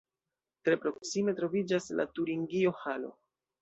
Tre proksime troviĝas la Turingio-halo.